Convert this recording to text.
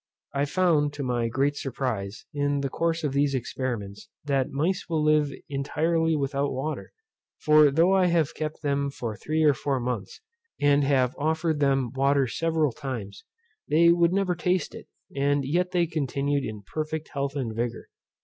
I found, to my great surprize, in the course of these experiments, that mice will live intirely without water; for though I have kept them for three or four months, and have offered them water several times, they would never taste it; and yet they continued in perfect health and vigour.